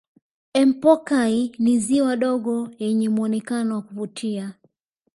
empokai ni ziwa dogo yenye muonekano wa kuvutia